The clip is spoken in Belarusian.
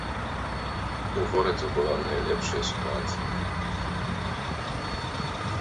У горадзе была найлепшая сітуацыя.